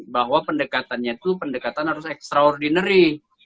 bahwa pendekatannya itu pendekatan harus extraordinary